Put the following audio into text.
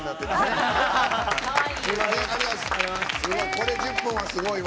これ、跳ぶのはすごいわ。